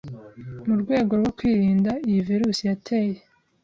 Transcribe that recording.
mu rwego rwo kwirinda iyi virus yateye